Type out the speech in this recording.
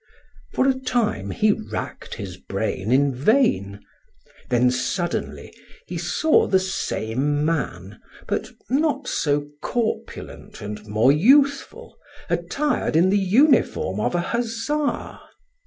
For a time he racked his brain in vain; then suddenly he saw the same man, but not so corpulent and more youthful, attired in the uniform of a Hussar.